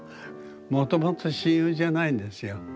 もともと親友じゃないんですよ。